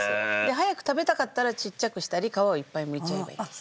早く食べたかったらちっちゃくしたり皮をいっぱいむいちゃえばいいんです。